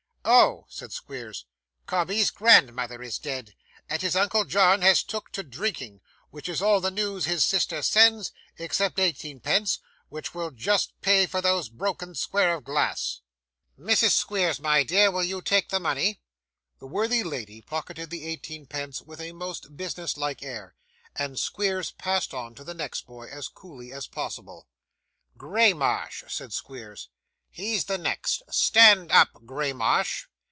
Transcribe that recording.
'Oh!' said Squeers: 'Cobbey's grandmother is dead, and his uncle John has took to drinking, which is all the news his sister sends, except eighteenpence, which will just pay for that broken square of glass. Mrs Squeers, my dear, will you take the money?' The worthy lady pocketed the eighteenpence with a most business like air, and Squeers passed on to the next boy, as coolly as possible. 'Graymarsh,' said Squeers, 'he's the next. Stand up, Graymarsh.